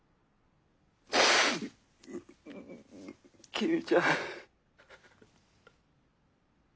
公ちゃん。